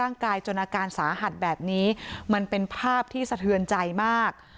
จนอาการสาหัสแบบนี้มันเป็นภาพที่สะเทือนใจมาก